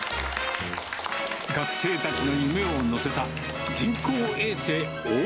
学生たちの夢を載せた人工衛星おお